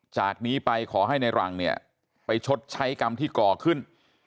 จากนี้ไปขอให้ในรังเนี่ยไปชดใช้กรรมที่ก่อขึ้น